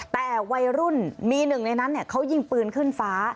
แต่วัยรุ่นมีหนึ่งในนั้นเขายิงปืนขึ้นฟ้า